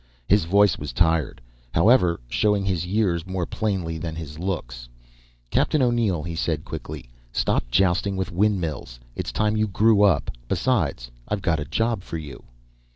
His voice was tired, however, showing his years more plainly than his looks. "Captain O'Neill," he said quickly. "Stop jousting with windmills. It's time you grew up. Besides, I've got a job for you."